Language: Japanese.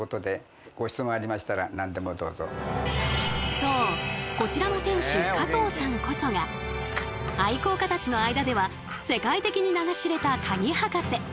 そうこちらの店主加藤さんこそが愛好家たちの間では世界的に名が知れたカギ博士。